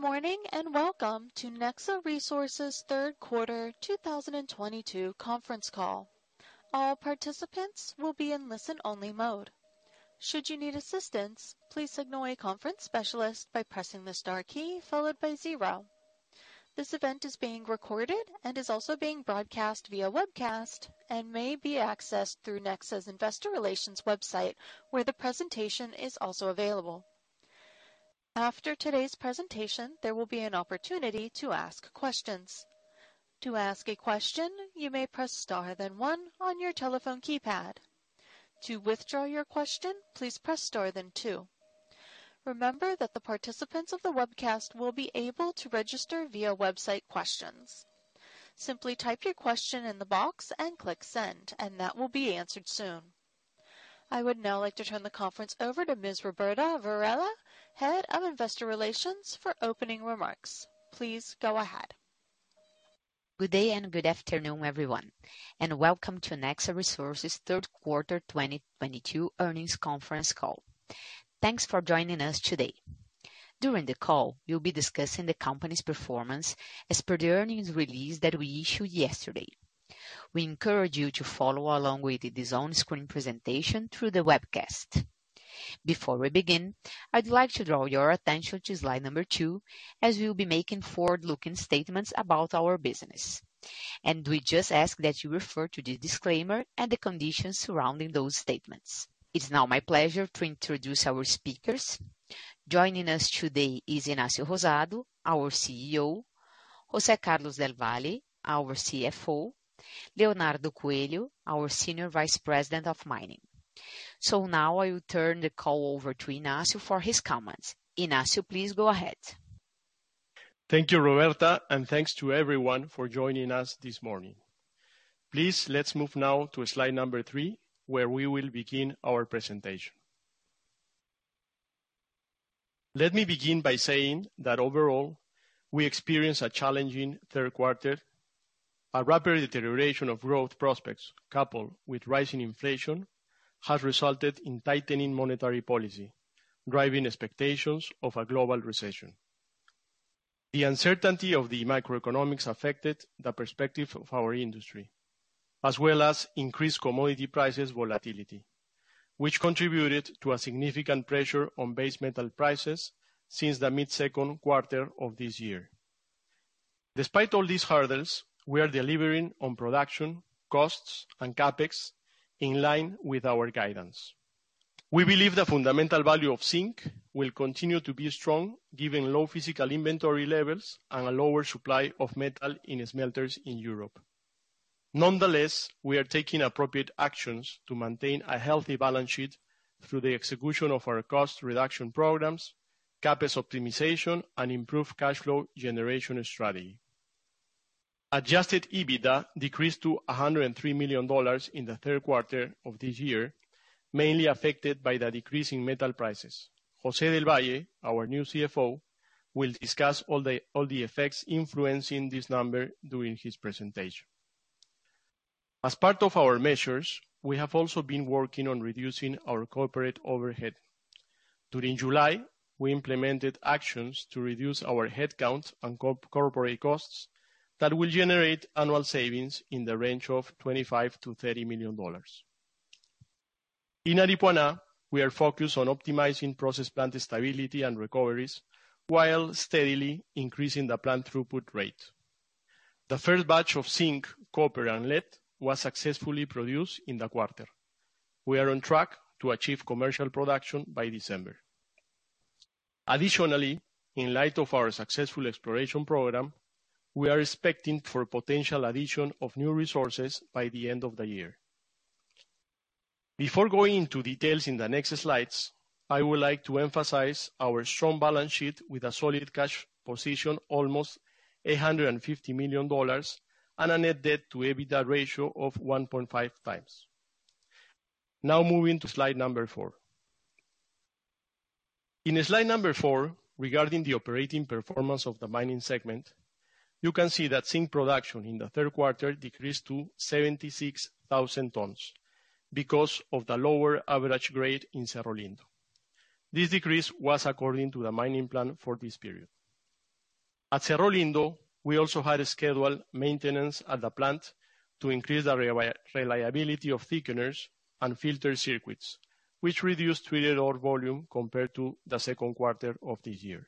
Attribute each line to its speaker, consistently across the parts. Speaker 1: Good morning, and welcome to Nexa Resources' Q3 2022 conference call. All participants will be in listen-only mode. Should you need assistance, please signal a conference specialist by pressing the star key followed by zero. This event is being recorded and is also being broadcast via webcast and may be accessed through Nexa's Investor Relations website, where the presentation is also available. After today's presentation, there will be an opportunity to ask questions. To ask a question, you may press star then one on your telephone keypad. To withdraw your question, please press star then two. Remember that the participants of the webcast will be able to submit questions via the website. Simply type your question in the box and click send, and that will be answered soon. I would now like to turn the conference over to Ms. Roberta Varella, Head of Investor Relations, for opening remarks. Please go ahead.
Speaker 2: Good day and good afternoon, everyone, and welcome to Nexa Resources' Q3 2022 earnings conference call. Thanks for joining us today. During the call, we'll be discussing the company's performance as per the earnings release that we issued yesterday. We encourage you to follow along with this on-screen presentation through the webcast. Before we begin, I'd like to draw your attention to slide number two, as we'll be making forward-looking statements about our business. We just ask that you refer to the disclaimer and the conditions surrounding those statements. It's now my pleasure to introduce our speakers. Joining us today is Ignacio Rosado, our CEO, José Carlos del Valle, our CFO, Leonardo Coelho, our Senior Vice President of Mining. Now I will turn the call over to Ignacio for his comments. Ignacio, please go ahead.
Speaker 3: Thank you, Roberta, and thanks to everyone for joining us this morning. Please, let's move now to slide number three, where we will begin our presentation. Let me begin by saying that overall, we experienced a challenging Q3. A rapid deterioration of growth prospects, coupled with rising inflation, has resulted in tightening monetary policy, driving expectations of a global recession. The uncertainty of the macroeconomics affected the perspective of our industry, as well as increased commodity prices volatility, which contributed to a significant pressure on base metal prices since the mid-Q2 of this year. Despite all these hurdles, we are delivering on production, costs, and CapEx in line with our guidance. We believe the fundamental value of zinc will continue to be strong, given low physical inventory levels and a lower supply of metal in smelters in Europe. Nonetheless, we are taking appropriate actions to maintain a healthy balance sheet through the execution of our cost reduction programs, CapEx optimization, and improved cash flow generation strategy. Adjusted EBITDA decreased to $103 million in the Q3 of this year, mainly affected by the decrease in metal prices. José Carlos del Valle, our new CFO, will discuss all the effects influencing this number during his presentation. As part of our measures, we have also been working on reducing our corporate overhead. During July, we implemented actions to reduce our headcount and corporate costs that will generate annual savings in the range of $25 million-$30 million. In Aripuanã, we are focused on optimizing process plant stability and recoveries while steadily increasing the plant throughput rate. The first batch of zinc, copper, and lead was successfully produced in the quarter. We are on track to achieve commercial production by December. Additionally, in light of our successful exploration program, we are expecting for potential addition of new resources by the end of the year. Before going into details in the next slides, I would like to emphasize our strong balance sheet with a solid cash position, almost $850 million, and a net debt to EBITDA ratio of 1.5x. Now moving to slide number four. In slide number four, regarding the operating performance of the mining segment, you can see that zinc production in the Q3 decreased to 76,000 tons because of the lower average grade in Cerro Lindo. This decrease was according to the mining plan for this period. At Cerro Lindo, we also had a scheduled maintenance at the plant to increase the reliability of thickeners and filter circuits, which reduced treated ore volume compared to the Q2 of the year.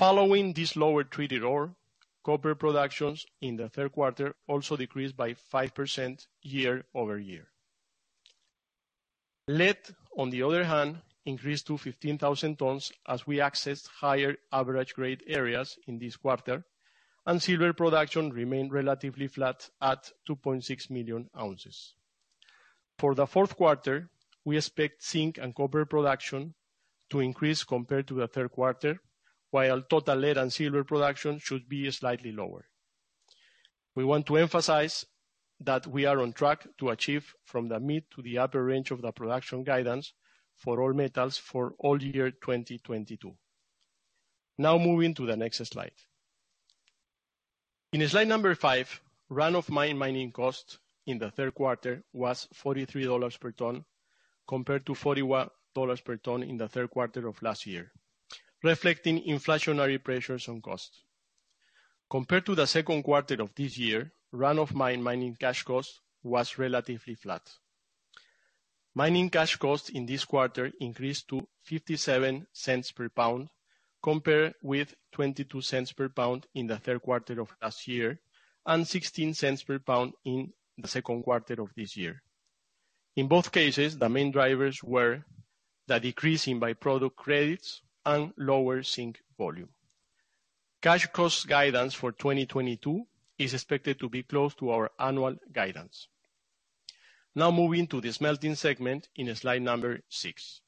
Speaker 3: Following this lower treated ore, copper production in the Q3 also decreased by 5% year-over-year. Lead, on the other hand, increased to 15,000 tons as we accessed higher average grade areas in this quarter, and silver production remained relatively flat at 2,600,000 ounces. For the Q4, we expect zinc and copper production to increase compared to the Q3, while total lead and silver production should be slightly lower. We want to emphasize that we are on track to achieve from the mid to the upper range of the production guidance for all metals for all year 2022. Now moving to the next slide. In slide number five, run-of-mine mining cost in the Q3 was $43 per ton, compared to $41 per ton in the Q3 of last year, reflecting inflationary pressures on cost. Compared to the Q2 of this year, run-of-mine mining cash cost was relatively flat. Mining cash cost in this quarter increased to $0.57 per pound, compared with $0.22 per pound in the Q3 of last year, and $0.16 per pound in the Q2 of this year. In both cases, the main drivers were the decrease in by-product credits and lower zinc volume. Cash cost guidance for 2022 is expected to be close to our annual guidance. Now moving to the smelting segment in slide number six.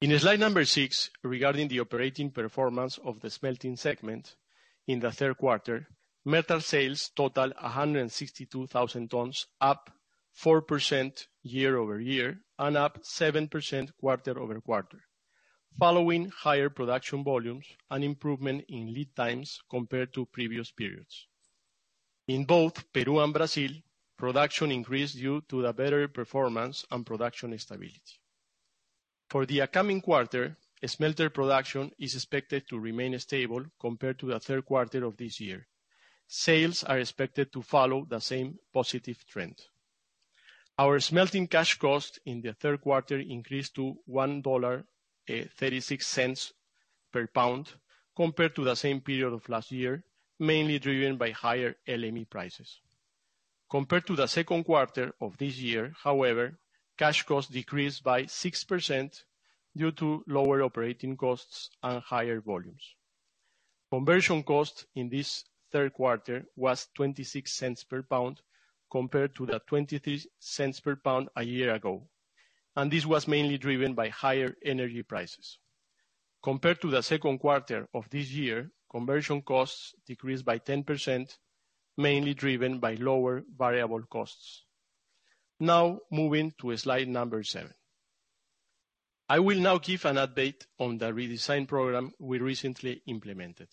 Speaker 3: In slide number six, regarding the operating performance of the smelting segment in the Q3, metal sales totaled 162,000 tons, up 4% year-over-year and up 7% quarter-over-quarter, following higher production volumes and improvement in lead times compared to previous periods. In both Peru and Brazil, production increased due to the better performance and production stability. For the upcoming quarter, smelter production is expected to remain stable compared to the Q3 of this year. Sales are expected to follow the same positive trend. Our smelting cash cost in the Q3 increased to $1.36 per pound compared to the same period of last year, mainly driven by higher LME prices. Compared to the Q2 of this year, however, cash cost decreased by 6% due to lower operating costs and higher volumes. Conversion cost in this Q3 was $0.26 per pound compared to the $0.23 per pound a year ago, and this was mainly driven by higher energy prices. Compared to the Q2 of this year, conversion costs decreased by 10%, mainly driven by lower variable costs. Now moving to slide seven. I will now give an update on the redesign program we recently implemented.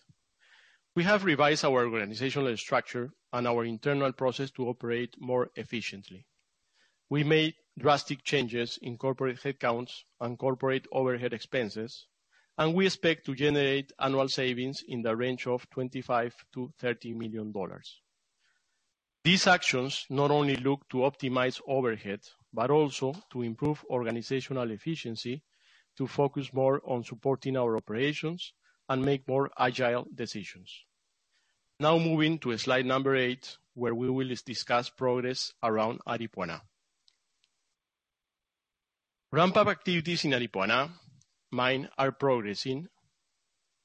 Speaker 3: We have revised our organizational structure and our internal process to operate more efficiently. We made drastic changes in corporate headcounts and corporate overhead expenses, and we expect to generate annual savings in the range of $25 million-$30 million. These actions not only look to optimize overhead, but also to improve organizational efficiency, to focus more on supporting our operations and make more agile decisions. Now moving to slide eight, where we will discuss progress around Aripuanã. Ramp-up activities in Aripuanã mine are progressing,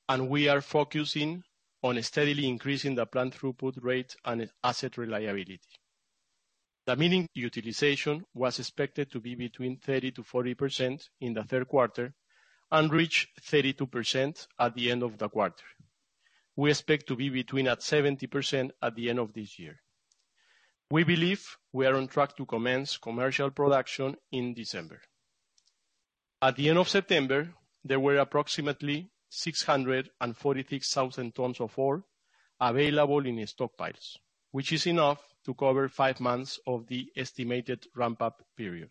Speaker 3: and we are focusing on steadily increasing the plant throughput rate and asset reliability. The milling utilization was expected to be between 30%-40% in the Q3 and reach 32% at the end of the quarter. We expect to be at 70% at the end of this year. We believe we are on track to commence commercial production in December. At the end of September, there were approximately 646,000 tons of ore available in stockpiles, which is enough to cover five months of the estimated ramp-up period.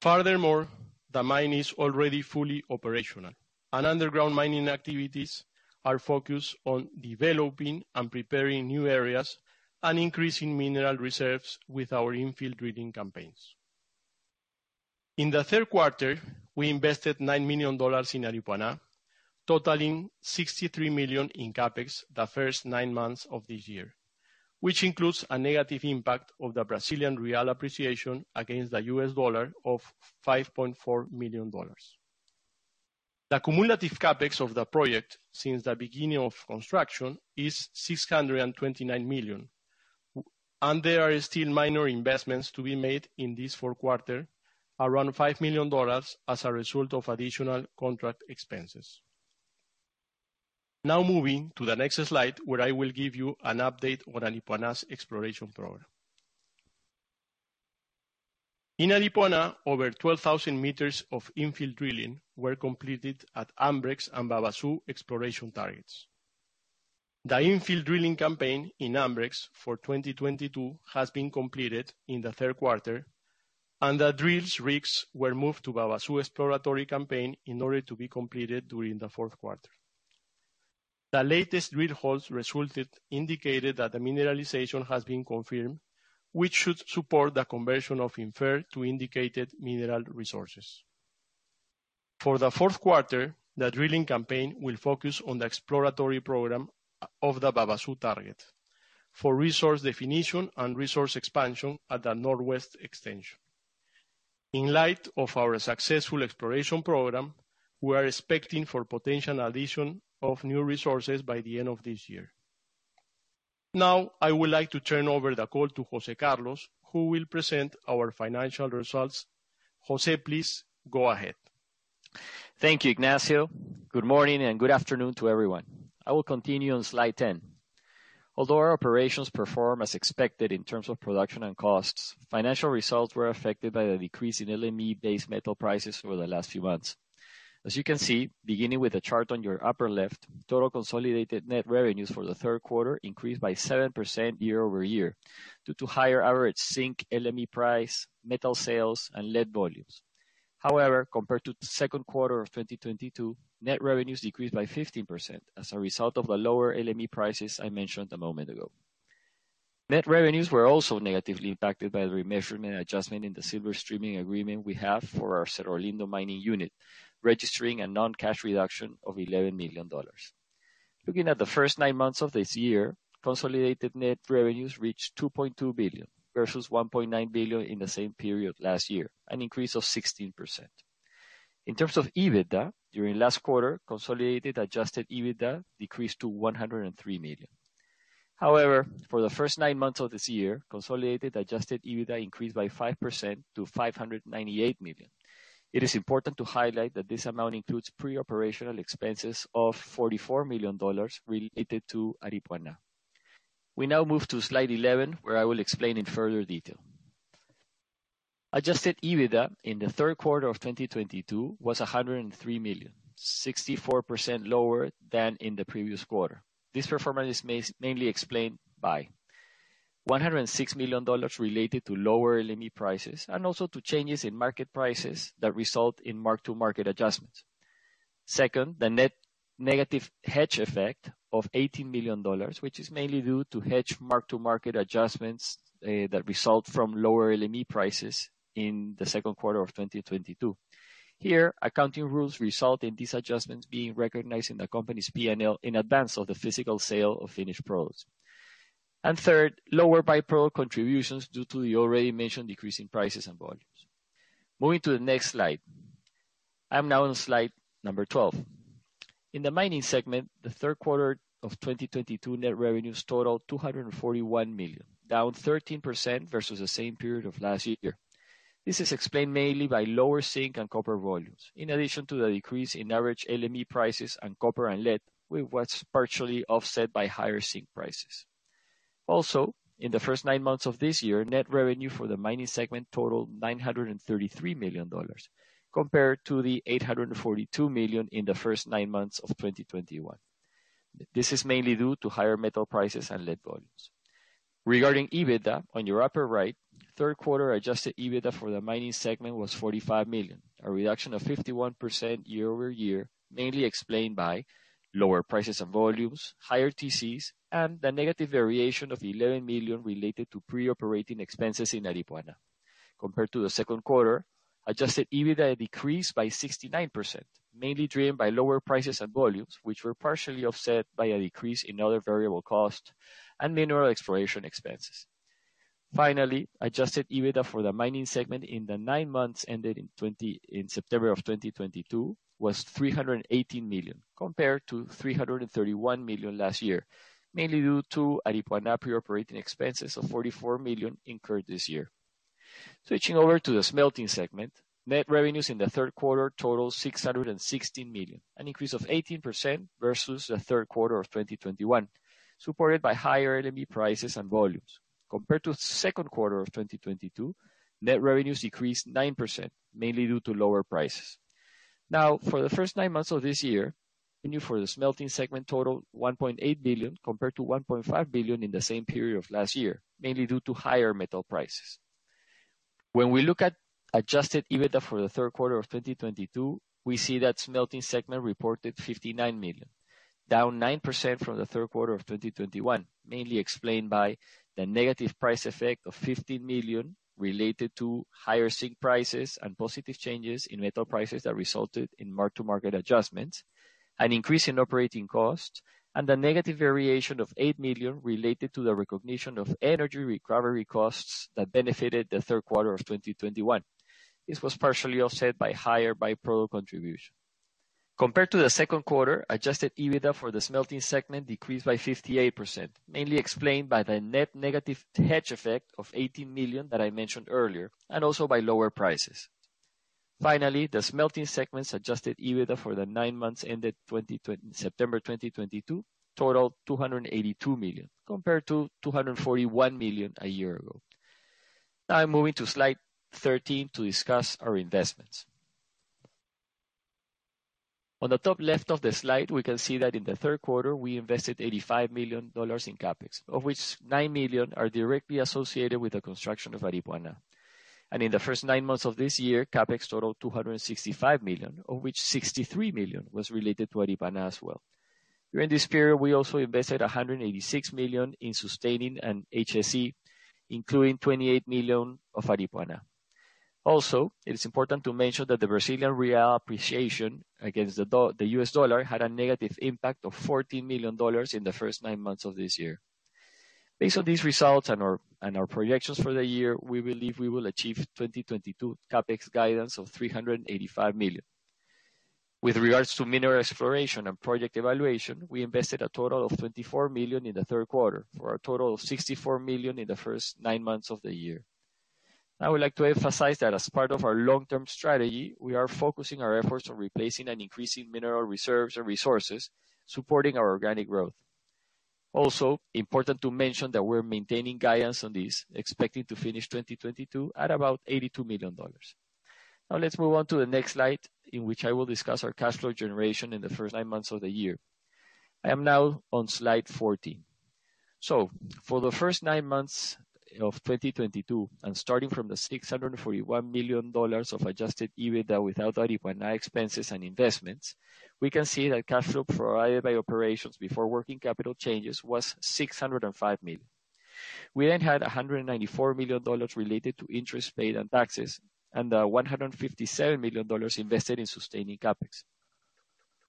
Speaker 3: Furthermore, the mine is already fully operational, and underground mining activities are focused on developing and preparing new areas and increasing mineral reserves with our infill drilling campaigns. In the Q3, we invested $9 million in Aripuanã, totaling $63 million in CapEx the first nine months of this year, which includes a negative impact of the Brazilian real appreciation against the U.S. dollar of $5.4 million. The cumulative CapEx of the project since the beginning of construction is $629 million, and there are still minor investments to be made in this Q4, around $5 million as a result of additional contract expenses. Now moving to the next slide, where I will give you an update on Aripuanã's exploration program. In Aripuanã, over 12,000 meters of infill drilling were completed at Ambrex and Babaçu exploration targets. The infill drilling campaign in Ambrex for 2022 has been completed in the Q3, and the drill rigs were moved to Babaçu exploratory campaign in order to be completed during the Q4. The latest drill holes results indicated that the mineralization has been confirmed, which should support the conversion of inferred to indicated mineral resources. For the Q4, the drilling campaign will focus on the exploratory program of the Babaçu target for resource definition and resource expansion at the northwest extension. In light of our successful exploration program, we are expecting for potential addition of new resources by the end of this year. Now I would like to turn over the call to José Carlos, who will present our financial results. José, please go ahead.
Speaker 4: Thank you, Ignacio. Good morning and good afternoon to everyone. I will continue on slide 10. Although our operations perform as expected in terms of production and costs, financial results were affected by the decrease in LME-based metal prices over the last few months. As you can see, beginning with the chart on your upper left, total consolidated net revenues for the Q3 increased by 7% year-over-year due to higher average zinc LME price, metal sales, and lead volumes. However, compared to the Q2 of 2022, net revenues decreased by 15% as a result of the lower LME prices I mentioned a moment ago. Net revenues were also negatively impacted by the remeasurement adjustment in the silver streaming agreement we have for our Cerro Lindo mining unit, registering a non-cash reduction of $11 million. Looking at the first nine months of this year, consolidated net revenues reached $2.2 billion versus $1.9 billion in the same period last year, an increase of 16%. In terms of EBITDA, during last quarter, consolidated adjusted EBITDA decreased to $103 million. However, for the first nine months of this year, consolidated adjusted EBITDA increased by 5% to $598 million. It is important to highlight that this amount includes pre-operational expenses of $44 million related to Aripuanã. We now move to slide 11, where I will explain in further detail. Adjusted EBITDA in the Q3 of 2022 was $103 million, 64% lower than in the previous quarter. This performance is mainly explained by $106 million related to lower LME prices and also to changes in market prices that result in mark-to-market adjustments. Second, the net negative hedge effect of $18 million, which is mainly due to hedge mark-to-market adjustments, that result from lower LME prices in the Q2 of 2022. Here, accounting rules result in these adjustments being recognized in the company's P&L in advance of the physical sale of finished products. Third, lower by-product contributions due to the already mentioned decrease in prices and volumes. Moving to the next slide. I am now on slide number 12. In the mining segment, the Q3 of 2022 net revenues totaled $241 million, down 13% versus the same period of last year. This is explained mainly by lower zinc and copper volumes. In addition to the decrease in average LME prices for copper and lead, which was partially offset by higher zinc prices. In the first nine months of this year, net revenue for the mining segment totaled $933 million, compared to $842 million in the first nine months of 2021. This is mainly due to higher metal prices and lead volumes. Regarding EBITDA on your upper right, Q3 adjusted EBITDA for the mining segment was $45 million, a reduction of 51% year-over-year, mainly explained by lower prices and volumes, higher TCs, and the negative variation of $11 million related to pre-operating expenses in Aripuanã. Compared to the Q2, adjusted EBITDA decreased by 69%, mainly driven by lower prices and volumes, which were partially offset by a decrease in other variable costs and mineral exploration expenses. Finally, adjusted EBITDA for the mining segment in the nine months ended in September of 2022 was $318 million, compared to $331 million last year, mainly due to Aripuanã pre-operating expenses of $44 million incurred this year. Switching over to the smelting segment, net revenues in the Q3 totaled $616 million, an increase of 18% versus the Q3 of 2021, supported by higher LME prices and volumes. Compared to the Q2 of 2022, net revenues decreased 9%, mainly due to lower prices. Now, for the first nine months of this year, revenue for the smelting segment totaled $1.8 billion, compared to $1.5 billion in the same period of last year, mainly due to higher metal prices. When we look at adjusted EBITDA for the Q3 of 2022, we see that smelting segment reported $59 million, down 9% from the Q3 of 2021, mainly explained by the negative price effect of $15 million related to higher zinc prices and positive changes in metal prices that resulted in mark-to-market adjustments, an increase in operating costs, and the negative variation of $8 million related to the recognition of energy recovery costs that benefited the Q3 of 2021. This was partially offset by higher by-product contribution. Compared to the Q2, adjusted EBITDA for the smelting segment decreased by 58%, mainly explained by the net negative hedge effect of $18 million that I mentioned earlier, and also by lower prices. Finally, the smelting segment's adjusted EBITDA for the nine months ended September 2022 totaled $282 million, compared to $241 million a year ago. Now I'm moving to slide 13 to discuss our investments. On the top left of the slide, we can see that in the Q3, we invested $85 million in CapEx, of which $9 million are directly associated with the construction of Aripuanã. In the first nine months of this year, CapEx totaled $265 million, of which $63 million was related to Aripuanã as well. During this period, we also invested $186 million in sustaining and HSE, including $28 million of Aripuanã. It is important to mention that the Brazilian real appreciation against the U.S. dollar had a negative impact of $14 million in the first nine months of this year. Based on these results and our projections for the year, we believe we will achieve 2022 CapEx guidance of $385 million. With regards to mineral exploration and project evaluation, we invested a total of $24 million in the Q3, for a total of $64 million in the first nine months of the year. I would like to emphasize that as part of our long-term strategy, we are focusing our efforts on replacing and increasing mineral reserves and resources, supporting our organic growth. Important to mention that we're maintaining guidance on this, expecting to finish 2022 at about $82 million. Now let's move on to the next slide, in which I will discuss our cash flow generation in the first nine months of the year. I am now on slide 14. For the first nine months of 2022, and starting from the $641 million of adjusted EBITDA without Aripuanã expenses and investments, we can see that cash flow provided by operations before working capital changes was $605 million. We then had a $194 million related to interest paid and taxes, and $157 million invested in sustaining CapEx.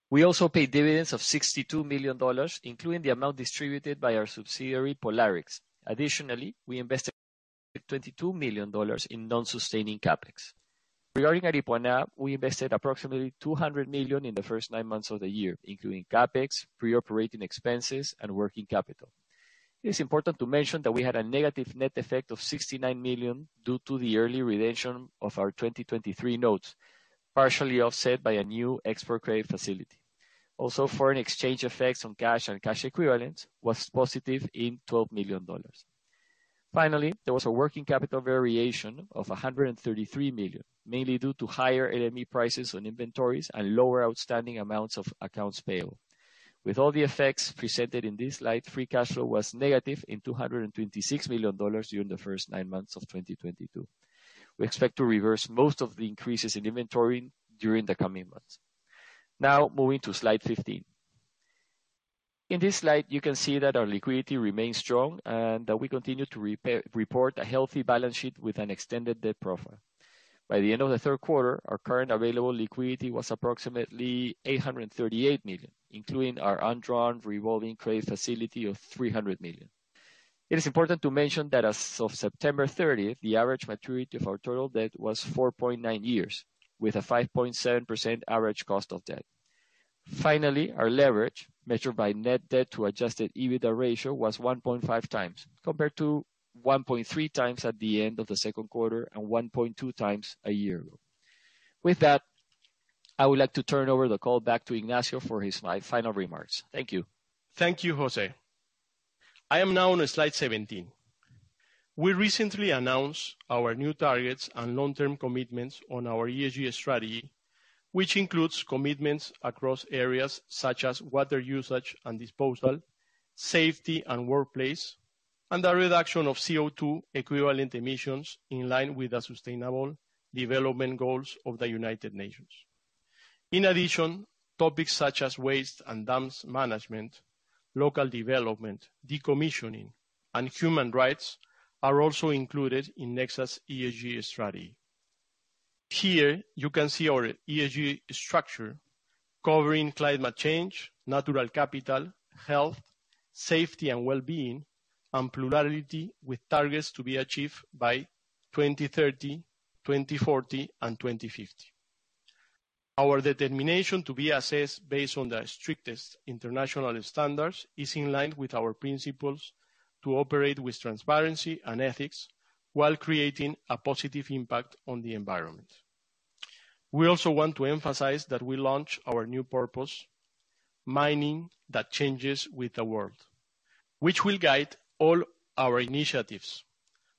Speaker 4: We also paid dividends of $62 million, including the amount distributed by our subsidiary, Pollarix. Additionally, we invested $22 million in non-sustaining CapEx. Regarding Aripuanã, we invested approximately $200 million in the first nine months of the year, including CapEx, pre-operating expenses, and working capital. It is important to mention that we had a negative net effect of $69 million due to the early redemption of our 2023 notes, partially offset by a new export credit facility. Also, foreign exchange effects on cash and cash equivalents was positive $12 million. Finally, there was a working capital variation of $133 million, mainly due to higher LME prices on inventories and lower outstanding amounts of accounts payable. With all the effects presented in this slide, free cash flow was negative $226 million during the first nine months of 2022. We expect to reverse most of the increases in inventory during the coming months. Now moving to slide 15. In this slide, you can see that our liquidity remains strong and that we continue to report a healthy balance sheet with an extended debt profile. By the end of the Q3, our current available liquidity was approximately $838 million, including our undrawn revolving credit facility of $300 million. It is important to mention that as of September 30th, the average maturity of our total debt was 4.9 years, with a 5.7% average cost of debt. Finally, our leverage, measured by net debt to adjusted EBITDA ratio, was 1.5x, compared to 1.3x at the end of the Q2 and 1.2x a year ago. With that, I would like to turn over the call back to Ignacio for his final remarks. Thank you.
Speaker 3: Thank you, José. I am now on slide 17. We recently announced our new targets and long-term commitments on our ESG strategy, which includes commitments across areas such as water usage and disposal, safety and workplace, and the reduction of CO2 equivalent emissions in line with the sustainable development goals of the United Nations. In addition, topics such as waste and dams management, local development, decommissioning, and human rights are also included in Nexa's ESG strategy. Here, you can see our ESG structure covering climate change, natural capital, health, safety and well-being, and plurality, with targets to be achieved by 2030, 2040, and 2050. Our determination to be assessed based on the strictest international standards is in line with our principles to operate with transparency and ethics while creating a positive impact on the environment. We also want to emphasize that we launch our new purpose, "Mining that changes with the world," which will guide all our initiatives.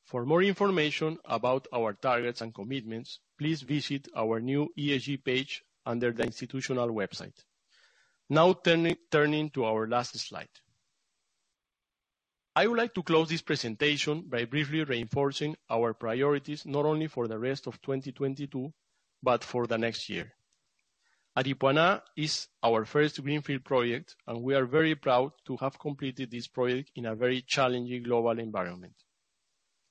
Speaker 3: For more information about our targets and commitments, please visit our new ESG page under the institutional website. Now turning to our last slide. I would like to close this presentation by briefly reinforcing our priorities, not only for the rest of 2022, but for the next year. Aripuanã is our first greenfield project, and we are very proud to have completed this project in a very challenging global environment.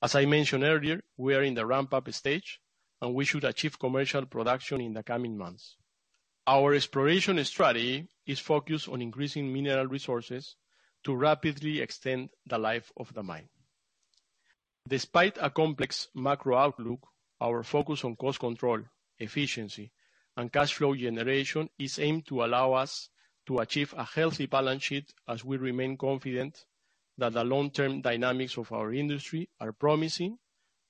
Speaker 3: As I mentioned earlier, we are in the ramp-up stage, and we should achieve commercial production in the coming months. Our exploration strategy is focused on increasing mineral resources to rapidly extend the life of the mine. Despite a complex macro outlook, our focus on cost control, efficiency, and cash flow generation is aimed to allow us to achieve a healthy balance sheet as we remain confident that the long-term dynamics of our industry are promising,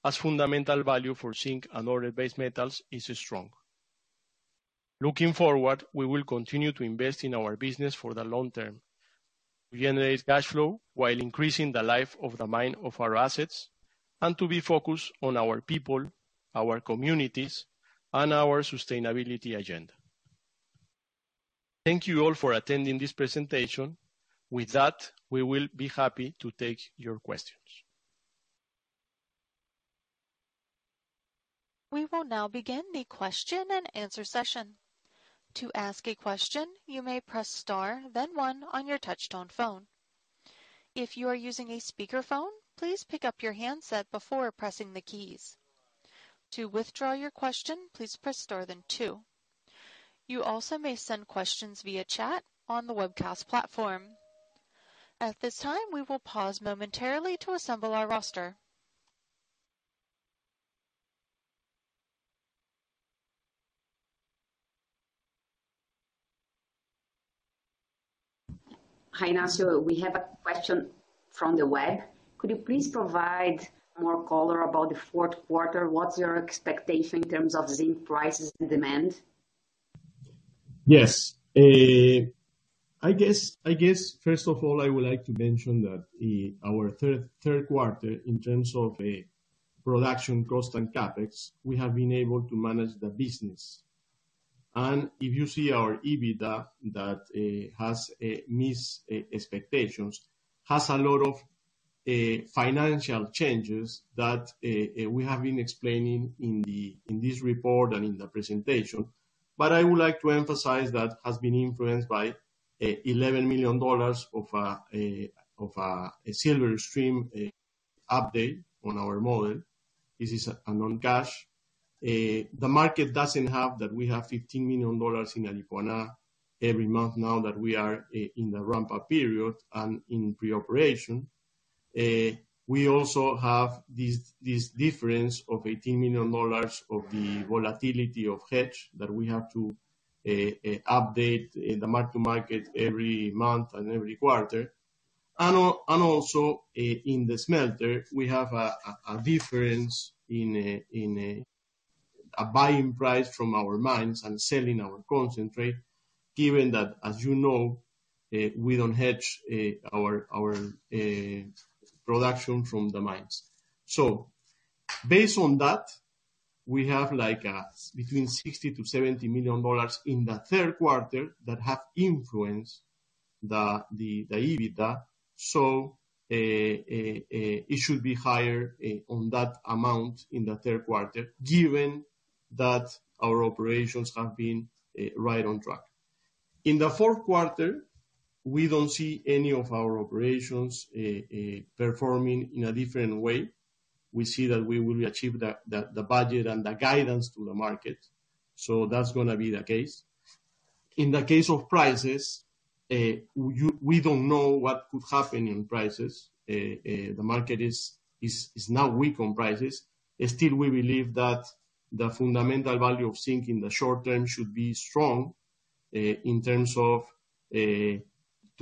Speaker 3: as fundamental value for zinc and other base metals is strong. Looking forward, we will continue to invest in our business for the long term. We generate cash flow while increasing the life of the mine of our assets and to be focused on our people, our communities, and our sustainability agenda. Thank you all for attending this presentation. With that, we will be happy to take your questions.
Speaker 1: We will now begin the question and answer session. To ask a question, you may press star, then one on your touchtone phone. If you are using a speakerphone, please pick up your handset before pressing the keys. To withdraw your question, please press star then two. You also may send questions via chat on the webcast platform. At this time, we will pause momentarily to assemble our roster.
Speaker 2: Hi, Ignacio. We have a question from the web. Could you please provide more color about the Q4? What's your expectation in terms of zinc prices and demand?
Speaker 3: Yes. I guess first of all, I would like to mention that our Q3 in terms of production cost and CapEx, we have been able to manage the business. If you see our EBITDA that has missed expectations, has a lot of financial changes that we have been explaining in this report and in the presentation. I would like to emphasize that has been influenced by $11 million of a silver stream update on our model. This is a non-cash. The market doesn't have that. We have $15 million in Aripuanã every month now that we are in the ramp-up period and in pre-operation. We also have this difference of $18 million of the volatility of the hedge that we have to update the mark-to-market every month and every quarter. Also, in the smelter, we have a difference in a buying price from our mines and selling our concentrate, given that, as you know, we don't hedge our production from the mines. Based on that, we have, like between $60 million-$70 million in the Q3 that have influenced the EBITDA. It should be higher on that amount in the Q3, given that our operations have been right on track. In the Q4, we don't see any of our operations performing in a different way. We see that we will achieve the budget and the guidance to the market. That's gonna be the case. In the case of prices, we don't know what could happen in prices. The market is now weak on prices. Still, we believe that the fundamental value of zinc in the short term should be strong. In terms of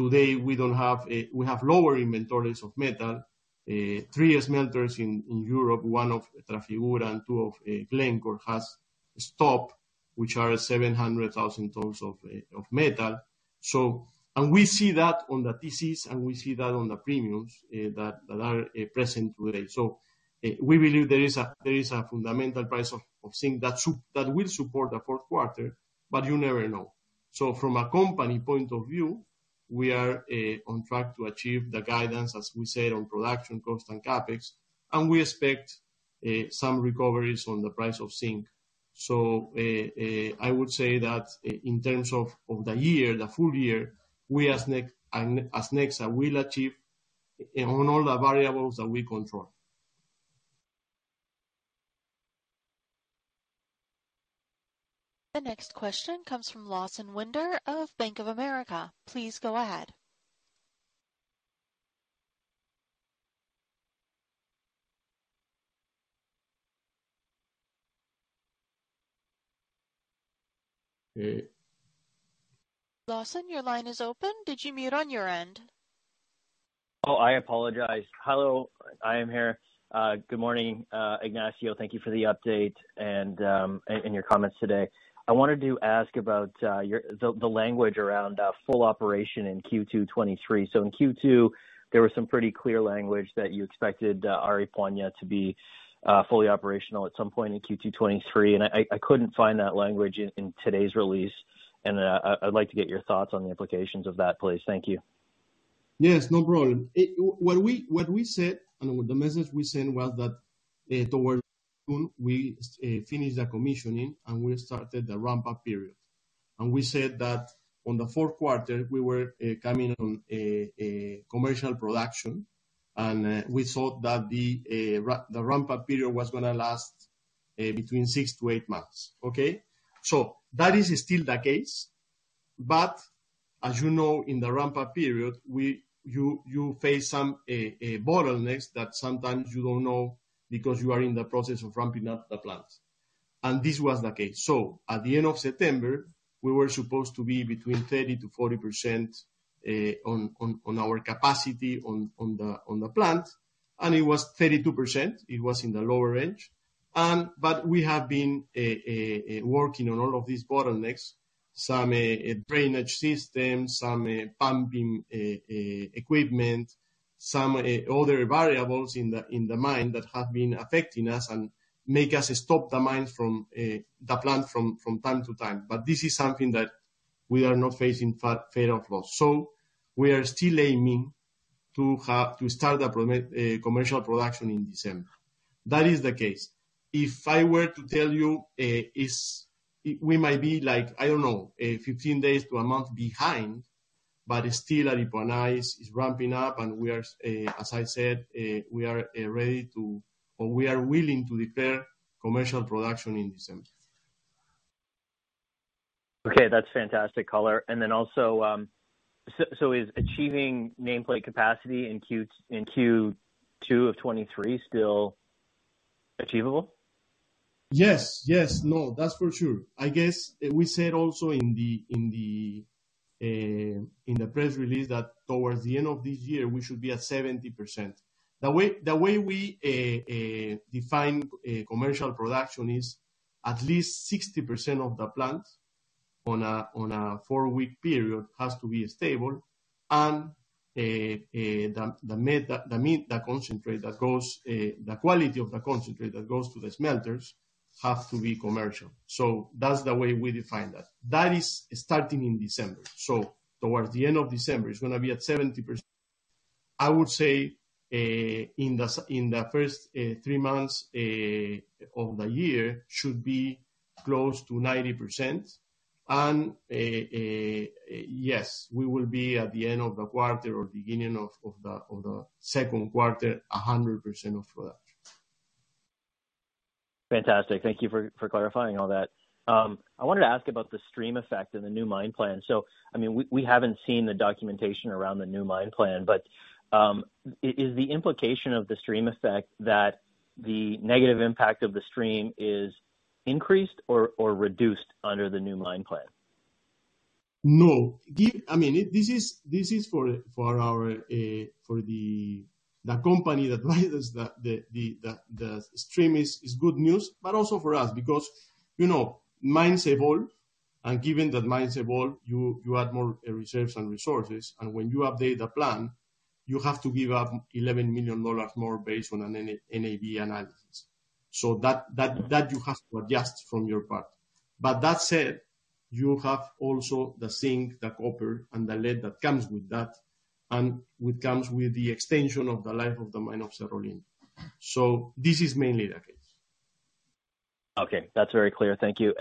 Speaker 3: today, we have lower inventories of metal. Three smelters in Europe, one of Trafigura and two of Glencore, has stopped, which are 700,000 tons of metal. We see that on the TCs, and we see that on the premiums, that are present today. We believe there is a fundamental price of zinc that will support the Q4, but you never know. From a company point of view, we are on track to achieve the guidance, as we said, on production cost and CapEx, and we expect some recoveries on the price of zinc. I would say that in terms of the year, the full year we as Nexa will achieve on all the variables that we control.
Speaker 1: The next question comes from Lawson Winder of Bank of America. Please go ahead.
Speaker 3: Uh-
Speaker 1: Lawson, your line is open. Did you mute on your end?
Speaker 5: Oh, I apologize. Hello. I am here. Good morning, Ignacio. Thank you for the update and your comments today. I wanted to ask about the language around full operation in Q2 2023. In Q2, there was some pretty clear language that you expected Aripuanã to be fully operational at some point in Q2 2023, and I couldn't find that language in today's release. I'd like to get your thoughts on the implications of that please. Thank you.
Speaker 3: Yes, no problem. What we said, and the message we sent was that, towards June, we finished the commissioning, and we started the ramp-up period. We said that in the Q4 we were coming into commercial production, and we thought that the ramp-up period was gonna last between six to eight months. Okay? That is still the case. As you know, in the ramp-up period, you face some bottlenecks that sometimes you don't know because you are in the process of ramping up the plant. This was the case. At the end of September, we were supposed to be between 30%-40% on our capacity on the plant, and it was 32%. It was in the lower range. We have been working on all of these bottlenecks, some drainage systems, some pumping equipment, some other variables in the mine that have been affecting us and make us stop the mine from the plant from time to time. This is something that we are now facing fewer losses. We are still aiming to start commercial production in December. That is the case. If I were to tell you, we might be like, I don't know, 15 days to a month behind but still Aripuanã is ramping up, and as I said we are willing to declare commercial production in December.
Speaker 5: Okay. That's fantastic color. Also, so is achieving nameplate capacity in Q2 of 2023 still achievable?
Speaker 3: Yes. No, that's for sure. I guess we said also in the press release that towards the end of this year, we should be at 70%. The way we define commercial production is at least 60% of the plants on a four-week period has to be stable and the quality of the concentrate that goes to the smelters have to be commercial. That's the way we define that. That is starting in December. Towards the end of December, it's gonna be at 70%. I would say in the first three months of the year should be close to 90%. Yes, we will be at the end of the quarter or beginning of the Q2, 100% of production.
Speaker 5: Fantastic. Thank you for clarifying all that. I wanted to ask about the stream effect and the new mine plan. I mean, we haven't seen the documentation around the new mine plan, but is the implication of the stream effect that the negative impact of the stream is increased or reduced under the new mine plan?
Speaker 3: I mean, this is for the company that buys the stream is good news, but also for us, because, you know, mines evolve. Given that mines evolve you add more reserves and resources, and when you update the plan, you have to give up $11 million more based on an NAV analysis. That you have to adjust from your part. That said, you have also the zinc, the copper, and the lead that comes with that and which comes with the extension of the life of the mine of Cerro Lindo. This is mainly the case.
Speaker 5: Okay, that's very clear. Thank you.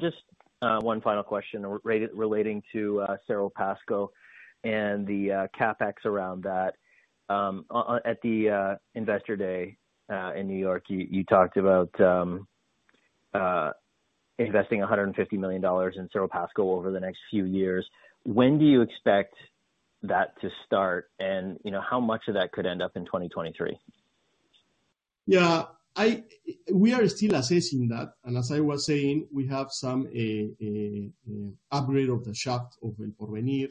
Speaker 5: Just one final question relating to Cerro Pasco and the CapEx around that. On at the Investor Day in New York, you talked about investing $150 million in Cerro Pasco over the next few years. When do you expect that to start? How much of that could end up in 2023?
Speaker 3: Yeah. We are still assessing that. As I was saying, we have some upgrade of the shaft of El Porvenir.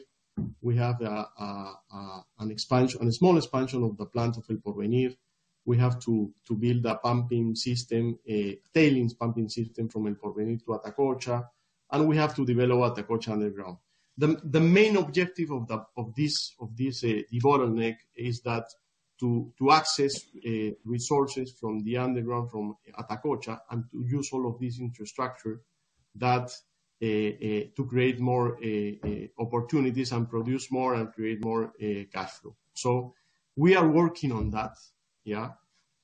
Speaker 3: We have an expansion, a small expansion of the plant of El Porvenir. We have to build a pumping system, a tailings pumping system from El Porvenir to Atacocha. We have to develop Atacocha underground. The main objective of this bottleneck is that to access resources from the underground, from Atacocha, and to use all of this infrastructure, that to create more opportunities and produce more and create more cash flow. We are working on that. Yeah,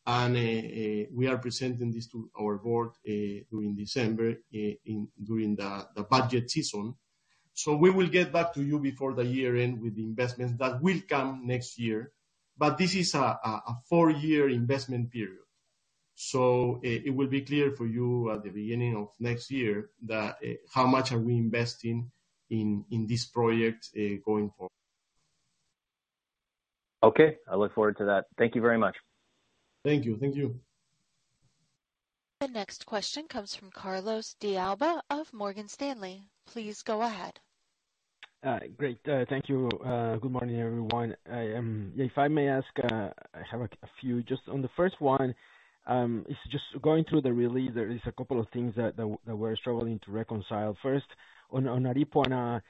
Speaker 3: we are presenting this to our board during December in the budget season. We will get back to you before the year end with the investments that will come next year. This is a four year investment period. It will be clear for you at the beginning of next year that how much are we investing in this project going forward.
Speaker 5: Okay. I look forward to that. Thank you very much.
Speaker 3: Thank you. Thank you.
Speaker 1: The next question comes from Carlos de Alba of Morgan Stanley. Please go ahead.
Speaker 6: Great. Thank you. Good morning, everyone. If I may ask, I have a few, just on the first one, it's just going through the release there is a couple of things that we're struggling to reconcile. First, on Aripuanã,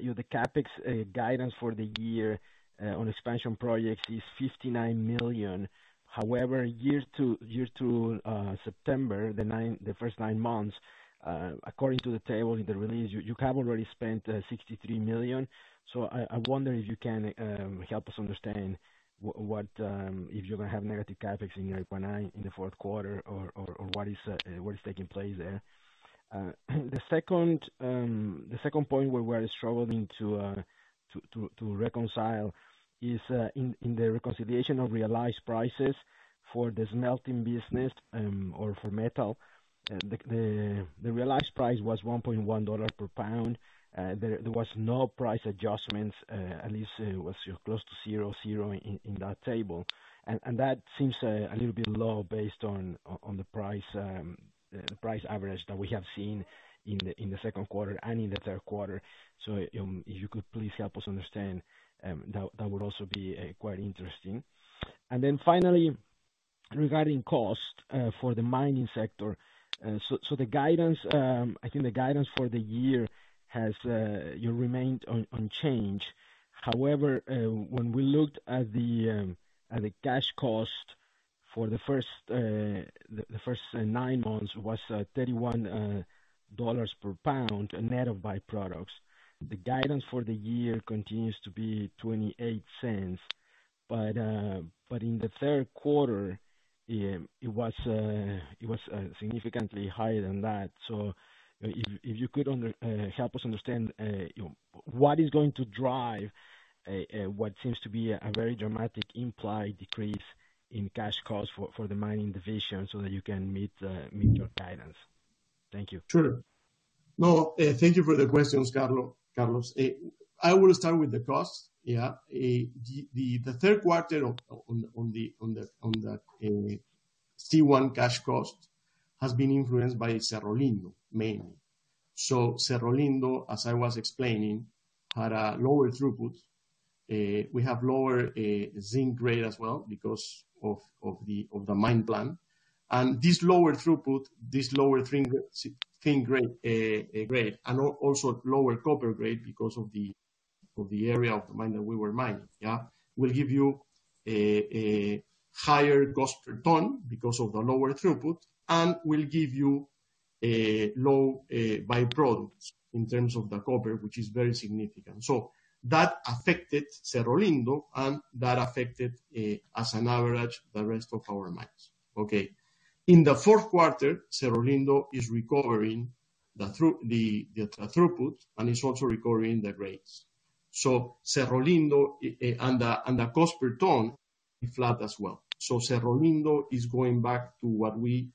Speaker 6: you know, the CapEx guidance for the year on expansion projects is $59 million. However, year to September, the first nine months according to the table in the release, you have already spent $63 million. I wonder if you can help us understand what if you're gonna have negative CapEx in Aripuanã in the Q4 or what is taking place there. The second point where we're struggling to reconcile is in the reconciliation of realized prices for the smelting business or for metal. The realized price was $1.1 per pound. There was no price adjustments, at least it was close to zero in that table. That seems a little bit low based on the price average that we have seen in the Q2 and in the Q3. If you could please help us understand that would also be quite interesting. Finally, regarding cost for the mining sector. I think the guidance for the year has remained unchanged. However, when we looked at the cash cost for the first nine months was $31 per pound net of byproducts. The guidance for the year continues to be $0.28. In the Q3, it was significantly higher than that. If you could help us understand, you know, what is going to drive what seems to be a very dramatic implied decrease in cash costs for the mining division so that you can meet your guidance. Thank you.
Speaker 3: No, thank you for the questions, Carlos. I will start with the cost. The Q3 on the C1 cash cost has been influenced by Cerro Lindo mainly. Cerro Lindo, as I was explaining, had a lower throughput. We have lower zinc grade as well because of the mine plan. This lower throughput, this lower zinc grade, and also lower copper grade because of the area of the mine that we were mining will give you a higher cost per ton because of the lower throughput and will give you a low by-products in terms of the copper, which is very significant. That affected Cerro Lindo, and that affected as an average the rest of our mines. In the Q4, Cerro Lindo is recovering the throughput, and it's also recovering the grades. Cerro Lindo and the cost per ton is flat as well, Cerro Lindo is going back to what we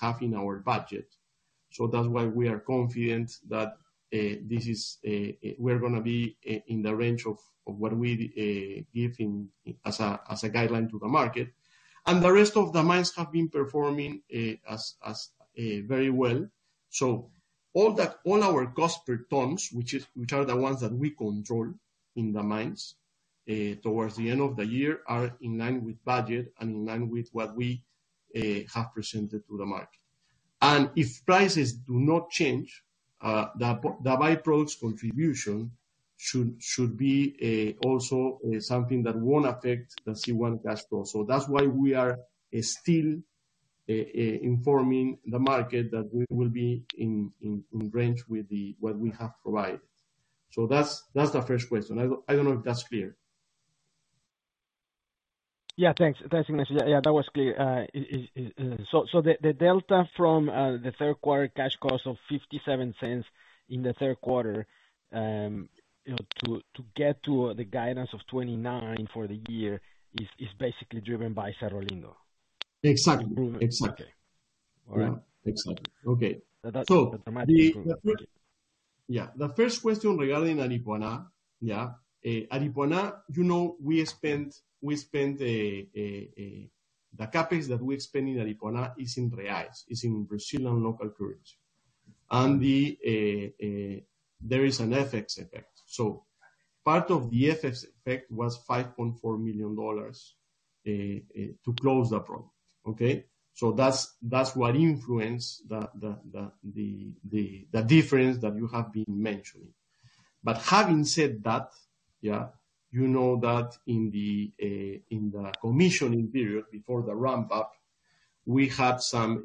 Speaker 3: have in our budget. That's why we are confident that this is, we're gonna be in the range of what we give in as a guideline to the market. The rest of the mines have been performing very well. All that all our cost per tons, which are the ones that we control in the mines, towards the end of the year, are in line with budget and in line with what we have presented to the market. If prices do not change, the by-products contribution should be also something that won't affect the C1 cash cost. That's why we are still informing the market that we will be in range with what we have provided. That's the first question. I don't know if that's clear.
Speaker 6: Yeah, thanks. Thanks, Ignacio. Yeah, that was clear. Is the delta from the Q3 cash cost of $0.57 in the Q3, you know, to get to the guidance of $0.29 for the year is basically driven by Cerro Lindo.
Speaker 3: Exactly. Exactly.
Speaker 6: All right.
Speaker 3: Exactly. Okay.
Speaker 6: That's automatically.
Speaker 3: Yeah, the first question regarding Aripuanã. Yeah. Aripuanã, you know, we spent. The CapEx that we spent in Aripuanã is in reais, in Brazilian local currency. There is an FX effect. Part of the FX effect was $5.4 million to close the project. Okay, that's what influenced the difference that you have been mentioning. Having said that, yeah, you know that in the commissioning period before the ramp-up, we had some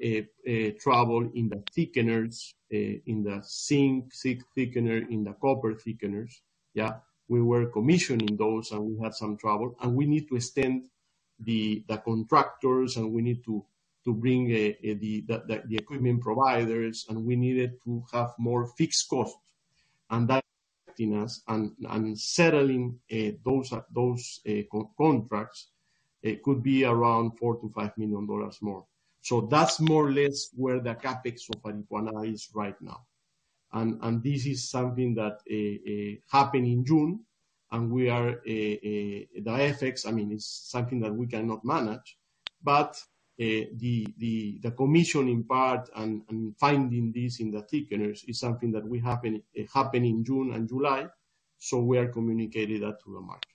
Speaker 3: trouble in the thickeners, in the zinc thickener, in the copper thickeners. Yeah, we were commissioning those, and we had some trouble. We need to extend the contractors, and we need to bring the equipment providers, and we needed to have more fixed costs. That affecting us and settling those contracts, it could be around $4 million-$5 million more. That's more or less where the CapEx of Aripuanã is right now. This is something that happened in June, and we are. The FX, I mean, is something that we cannot manage. The commissioning part and finding this in the thickeners is something that happened in June and July. We are communicating that to the market.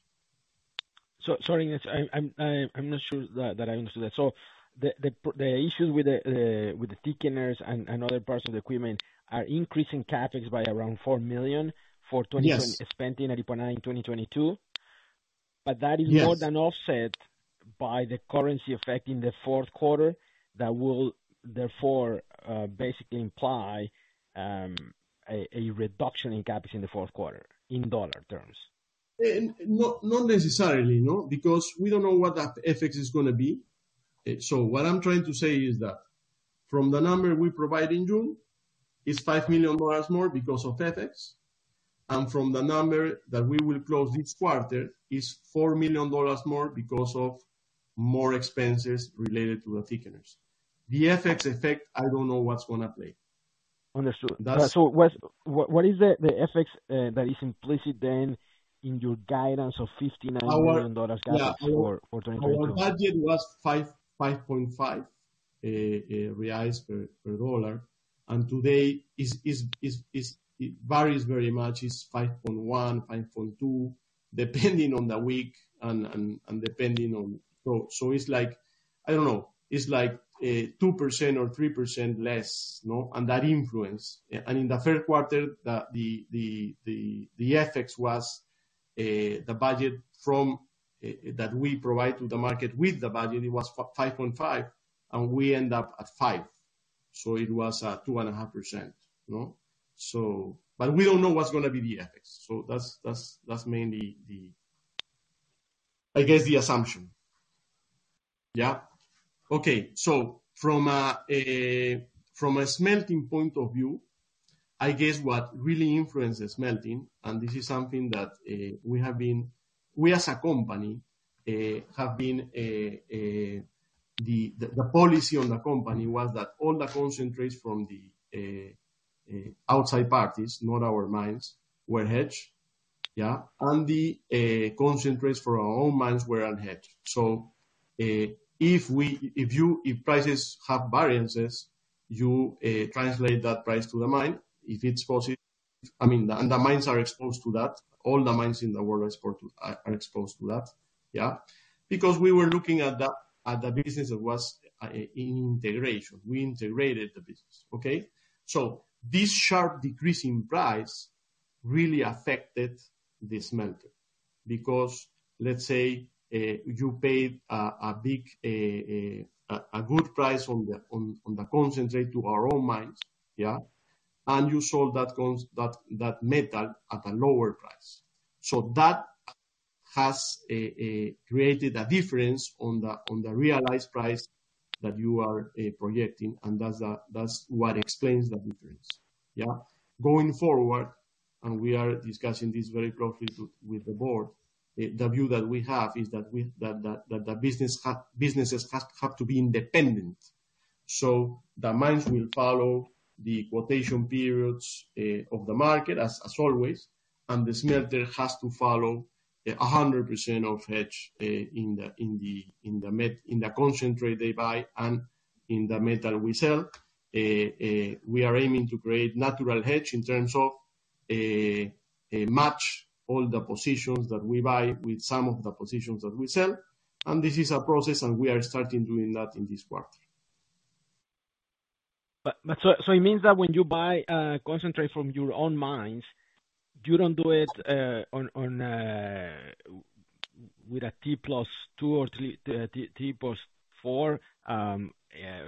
Speaker 6: Sorry, Ignacio. I'm not sure that I understood that. The issues with the thickeners and other parts of the equipment are increasing CapEx by around $4 million for 20-.
Speaker 3: Yes.
Speaker 6: Spending at Aripuanã in 2022.
Speaker 3: Yes.
Speaker 6: More than offset by the currency effect in the Q4 that will therefore basically imply a reduction in CapEx in the Q4 in dollar terms.
Speaker 3: Not necessarily, no. Because we don't know what that FX is gonna be. So what I'm trying to say is that from the number we provide in June, it's $5 million more because of FX. From the number that we will close this quarter, it's $4 million more because of more expenses related to the thickeners. The FX effect, I don't know what's gonna play.
Speaker 6: Understood.
Speaker 3: That's-.
Speaker 6: What is the FX that is implicit then in your guidance of $59 million CapEx for 2023-
Speaker 3: Our budget was 5.5 reais per dollar. Today it varies very much. It's 5.1, 5.2, depending on the week and depending on. It's like, I don't know, it's like 2% or 3% less, you know, and that influence. In the Q3, the FX was the budget from that we provide to the market with the budget, it was 5.5, and we end up at five. It was 2.5%, you know. But we don't know what's gonna be the FX. That's mainly the, I guess, the assumption. Yeah. Okay. From a smelting point of view, I guess what really influences smelting, and this is something that the policy on the company was that all the concentrates from the outside parties, not our mines, were hedged. Yeah. The concentrates for our own mines were unhedged. If prices have variances, you translate that price to the mine. If it's positive, I mean, the mines are exposed to that. All the mines in the world are exposed to that, yeah. We were looking at the business that was in integration. We integrated the business, okay? This sharp decrease in price really affected the smelter, because let's say, you paid a good price on the concentrate to our own mines, and you sold that metal at a lower price. That has created a difference on the realized price that you are projecting, and that's what explains the difference. Going forward, we are discussing this very closely with the board, the view that we have is that the businesses have to be independent. The mines will follow the quotation periods of the market, as always, and the smelter has to follow 100% hedge in the concentrate they buy and in the metal we sell. We are aiming to create natural hedge in terms of match all the positions that we buy with some of the positions that we sell. This is a process, and we are starting doing that in this quarter.
Speaker 6: It means that when you buy concentrate from your own mines, you don't do it on with a T+2 or T+4,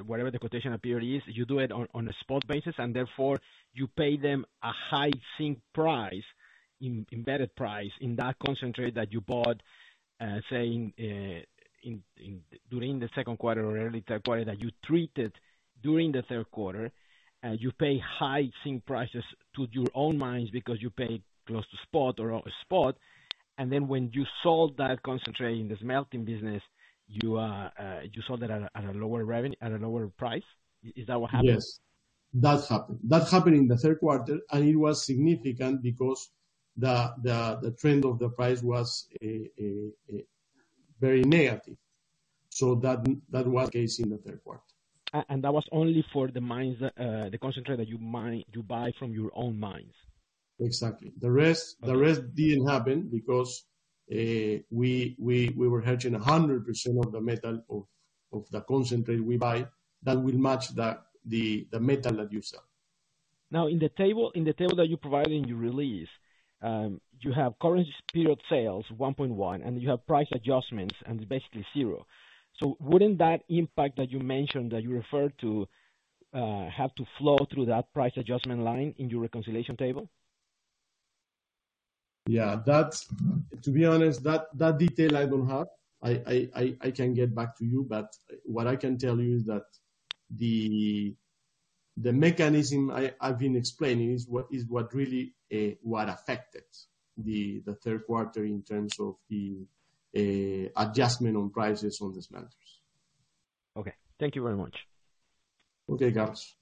Speaker 6: whatever the quotation period is. You do it on a spot basis, and therefore you pay them a high zinc price, embedded price in that concentrate that you bought, say during the Q2 or early Q3 that you treated during the Q3. You pay high zinc prices to your own mines because you pay close to spot or spot. Then when you sold that concentrate in the smelting business, you sold it at a lower revenue, at a lower price. Is that what happened?
Speaker 3: Yes. That's happened. That happened in the Q3, and it was significant because the trend of the price was very negative. That was the case in the Q3.
Speaker 6: That was only for the mines, the concentrate that you mine, you buy from your own mines.
Speaker 3: Exactly. The rest didn't happen because we were hedging 100% of the metal of the concentrate we buy that will match the metal that you sell.
Speaker 6: Now, in the table that you provide in your release, you have current period sales $1.1, and you have price adjustments, and it's basically zero. So wouldn't that impact that you mentioned, that you referred to, have to flow through that price adjustment line in your reconciliation table?
Speaker 3: Yeah. To be honest, that detail I don't have. I can get back to you, but what I can tell you is that the mechanism I've been explaining is what really affected the Q3 in terms of the adjustment on prices on the smelters.
Speaker 6: Okay. Thank you very much.
Speaker 3: Okay, Carlos.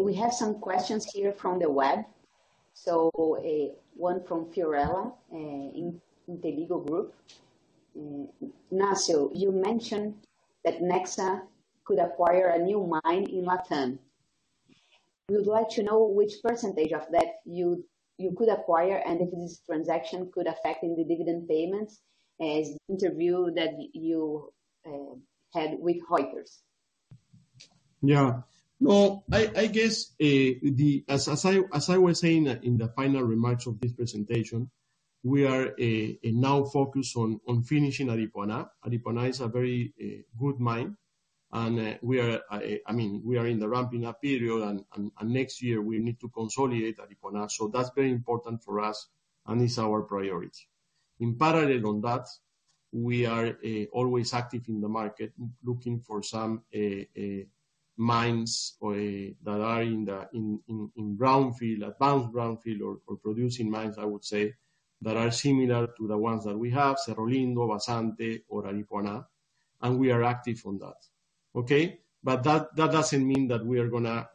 Speaker 2: We have some questions here from the web. One from Fiorella in the legal group. "Ignacio, you mentioned that Nexa could acquire a new mine in LatAm. We would like to know which percentage of that you could acquire and if this transaction could affect the dividend payments as in the interview that you had with Reuters.
Speaker 3: Yeah. Well, as I was saying in the final remarks of this presentation, we are now focused on finishing Aripuanã. Aripuanã is a very good mine, and we are, I mean, we are in the ramping up period, and next year we need to consolidate Aripuanã. That's very important for us and is our priority. In parallel on that, we are always active in the market looking for some mines or that are in the brownfield, advanced brownfield or producing mines, I would say, that are similar to the ones that we have, Cerro Lindo, Vazante or Aripuanã, and we are active on that. Okay? That doesn't mean that we are gonna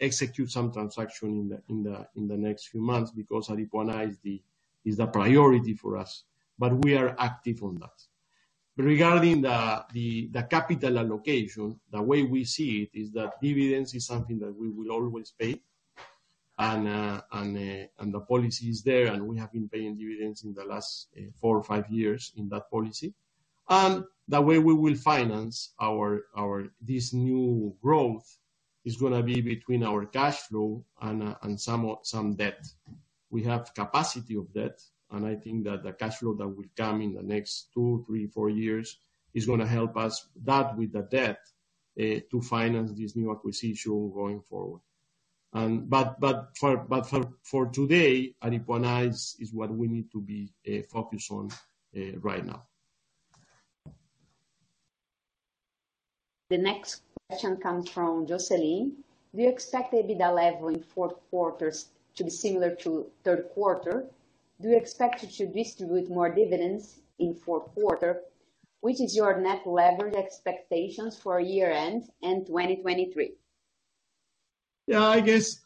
Speaker 3: execute some transaction in the next few months because Aripuanã is the priority for us. We are active on that. Regarding the capital allocation, the way we see it is that dividends is something that we will always pay, and the policy is there, and we have been paying dividends in the last four or five years in that policy. The way we will finance this new growth is gonna be between our cash flow and some debt. We have capacity of debt, and I think that the cash flow that will come in the next two, three, four years is gonna help us that with the debt to finance this new acquisition going forward. For today, Aripuanã is what we need to be focused on right now.
Speaker 2: The next question comes from Joceline. Do you expect the EBITDA level in Q4s to be similar to Q3? Do you expect it to distribute more dividends in Q4? What is your net leverage expectations for year-end and 2023?
Speaker 3: Yeah, I guess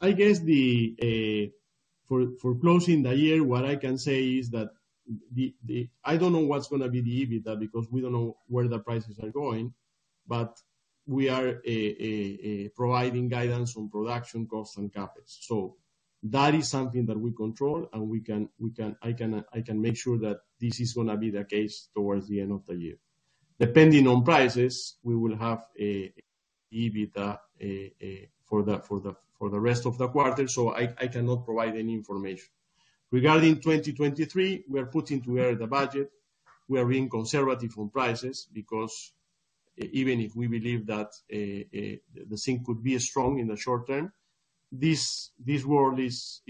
Speaker 3: for closing the year, what I can say is that I don't know what's gonna be the EBITDA because we don't know where the prices are going. We are providing guidance on production costs and CapEx. That is something that we control and I can make sure that this is gonna be the case towards the end of the year. Depending on prices, we will have an EBITDA for the rest of the quarter. I cannot provide any information. Regarding 2023, we are putting together the budget. We are being conservative on prices because even if we believe that, the zinc could be strong in the short term, this world is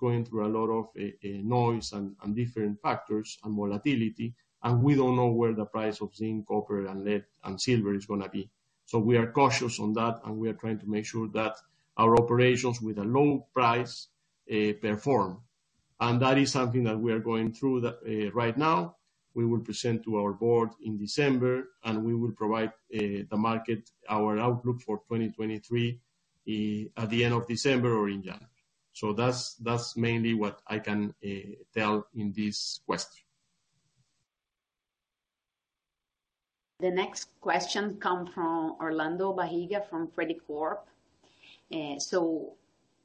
Speaker 3: going through a lot of noise and different factors and volatility, and we don't know where the price of zinc, copper and lead, and silver is gonna be. We are cautious on that, and we are trying to make sure that our operations with a low price perform. That is something that we are going through right now. We will present to our board in December, and we will provide the market our outlook for 2023 at the end of December or in January. That's mainly what I can tell in this question.
Speaker 2: The next question comes from Orlando Barriga from Credicorp.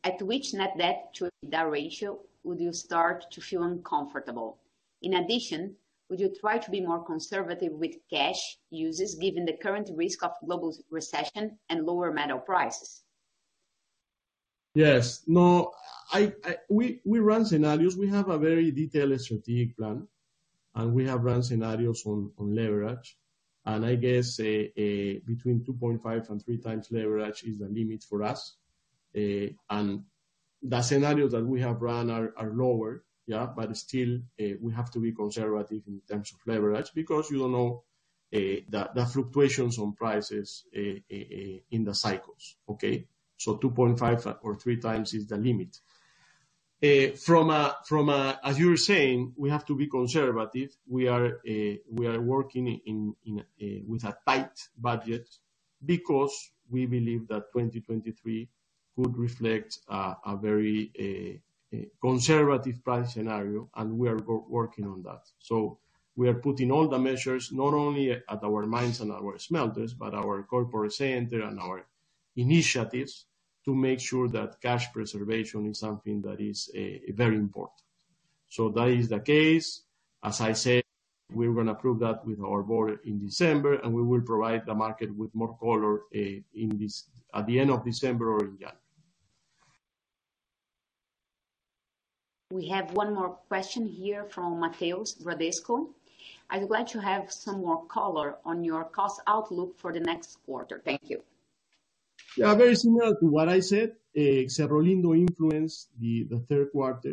Speaker 2: At which net debt to EBITDA ratio would you start to feel uncomfortable? In addition, would you try to be more conservative with cash uses given the current risk of global recession and lower metal prices?
Speaker 3: Yes. No. We run scenarios. We have a very detailed strategic plan, and we have run scenarios on leverage. I guess between 2.5x and 3x leverage is the limit for us. The scenarios that we have run are lower, yeah. We have to be conservative in terms of leverage because you don't know the fluctuations on prices in the cycles, okay? 2.5x or 3x is the limit. As you're saying, we have to be conservative. We are working with a tight budget because we believe that 2023 could reflect a very conservative price scenario, and we are working on that. We are putting all the measures not only at our mines and our smelters, but our corporate center and our initiatives to make sure that cash preservation is something that is very important. That is the case. As I said, we're gonna approve that with our board in December, and we will provide the market with more color at the end of December or in January.
Speaker 2: We have one more question here from Matheus Bradesco. I'd like to have some more color on your cost outlook for the next quarter. Thank you.
Speaker 3: Yeah, very similar to what I said. Cerro Lindo influenced the Q3.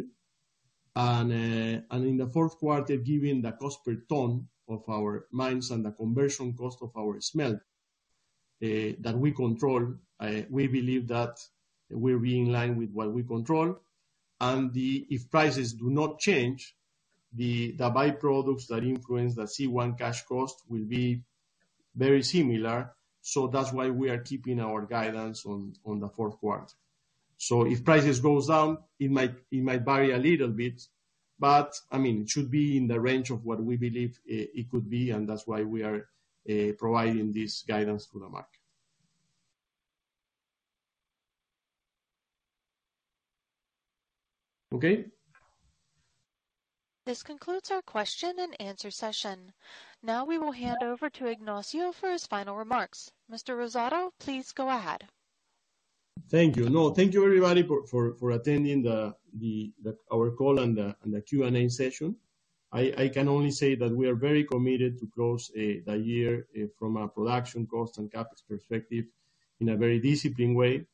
Speaker 3: In the Q4, given the cost per ton of our mines and the conversion cost of our smelters that we control, we believe that we'll be in line with what we control. If prices do not change, the by-products that influence the C1 cash cost will be very similar. That's why we are keeping our guidance on the Q4. If prices goes down it might vary a little bit but I mean, it should be in the range of what we believe it could be, and that's why we are providing this guidance to the market. Okay?
Speaker 1: This concludes our question-and-answer session. Now we will hand over to Ignacio for his final remarks. Mr. Rosado, please go ahead.
Speaker 3: Thank you. No, thank you, everybody, for attending our call and the Q&A session. I can only say that we are very committed to close the year from a production cost and CapEx perspective in a very disciplined way.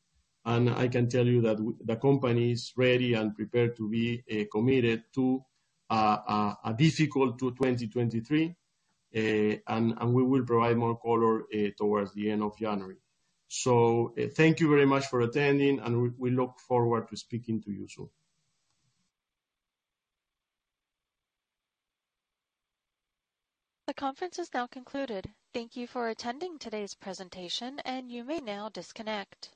Speaker 3: I can tell you that the company is ready and prepared to be committed to a difficult 2023. We will provide more color towards the end of January. Thank you very much for attending, and we look forward to speaking to you soon.
Speaker 1: The conference is now concluded. Thank you for attending today's presentation, and you may now disconnect.